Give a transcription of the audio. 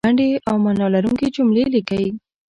لنډې او معنا لرونکې جملې لیکئ